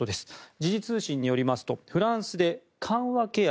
時事通信によりますとフランスで緩和ケア